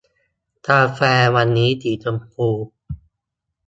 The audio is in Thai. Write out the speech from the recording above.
กาแฟวันนี้สีชมพู